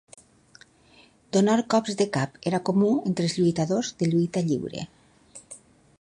Donar cops de cap era comú entre els lluitadors de lluita lliure.